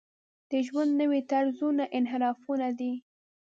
د ژوند نوي طرزونه انحرافونه دي.